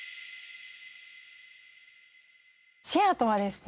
シェアとはですね